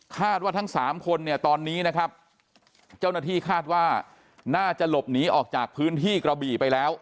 ว่าทั้งสามคนเนี่ยตอนนี้นะครับเจ้าหน้าที่คาดว่าน่าจะหลบหนีออกจากพื้นที่กระบี่ไปแล้ว